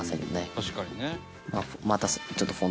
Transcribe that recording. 「確かにね」